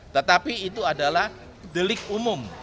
tetapi itu adalah delik umum